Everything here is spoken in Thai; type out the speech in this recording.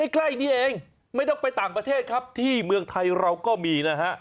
ใกล้นี้เองไม่ต้องไปต่างประเทศครับที่เมืองไทยเราก็มีนะฮะ